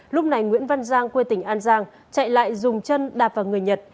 lúc này nguyễn văn giang quê tỉnh an giang chạy lại dùng chân đạp vào người nhật